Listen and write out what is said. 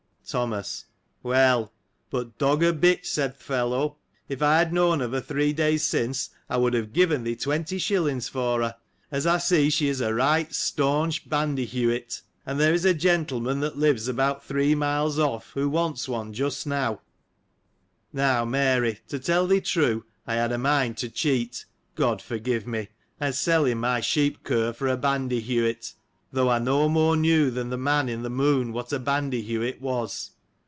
Thomas. — Well; but, dog or bitch, said th' fellow, if I had known of her three days since, I would have given thee twenty shillings for her; as I see she is a right, staunch,^ Ban dyhewit!' and there is a gentleman that lives about three miles off, who wants one just now. — Now, Mary, to tell thee true, I had a mind to cheat, (God forgive me !) and sell him my sheep cur for a Bandyhewit ; though I no more knew than the man in the moon what a Bandyhewit was.